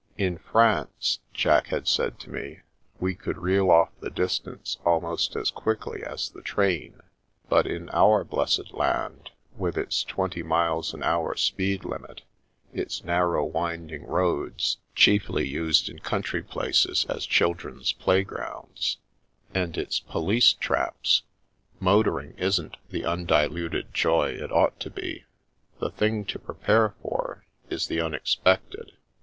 " In France," Jack had said to me, " we could reel off the distance almost as quickly as the train ; but in our blessed land^ with its twenty miles an hour speed limit, its narrow winding roads, chiefly used in country places as children's playgrounds, and its police traps, motoring isn't the undiluted joy it ought to be. The thing, to prepare for is the unexpected."